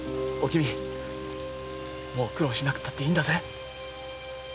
おきみもう苦労しなくていいんだぜ。